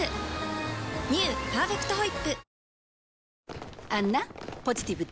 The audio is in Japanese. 「パーフェクトホイップ」